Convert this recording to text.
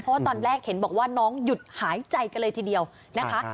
เพราะว่าตอนแรกเห็นบอกว่าน้องหยุดหายใจกันเลยทีเดียวนะคะ